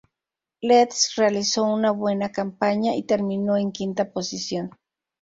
Leeds realizó una buena campaña y terminó en quinta posición.